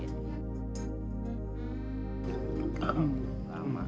duh gua dulu nih